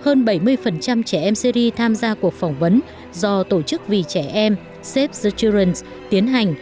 hơn bảy mươi trẻ em syri tham gia cuộc phỏng vấn do tổ chức vì trẻ em tiến hành